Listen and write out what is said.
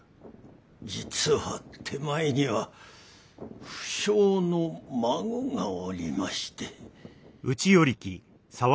実は手前には不肖の孫がおりまして。